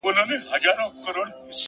ته مي يو ځلي گلي ياد ته راوړه!